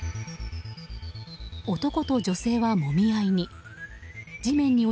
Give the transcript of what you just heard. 男と女性はもみ合いに。